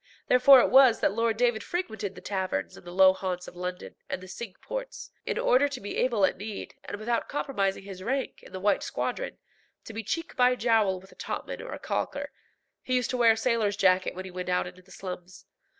Therefore it was that Lord David frequented the taverns and low haunts of London and the Cinque Ports. In order to be able at need, and without compromising his rank in the white squadron, to be cheek by jowl with a topman or a calker, he used to wear a sailor's jacket when he went into the slums.